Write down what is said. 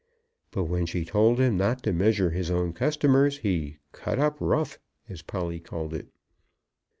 But when she told him not to measure his own customers, "he cut up rough" as Polly called it.